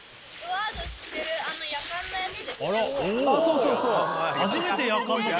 そうそうそう。